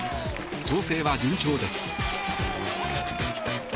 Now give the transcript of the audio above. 調整は順調です。